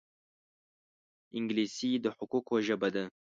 انګلیسي د حقوقو ژبه ده